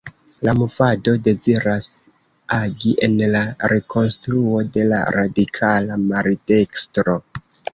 La movado deziras agi en la rekonstruo de la radikala maldekstro.